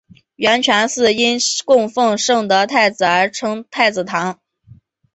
圆泉寺因供奉圣德太子而称太子堂。